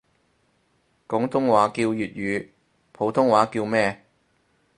廣東話叫粵語，普通話叫咩？